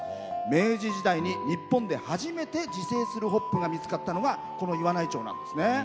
明治時代に日本で初めて自生するホップが見つかったのが岩内町なんですね。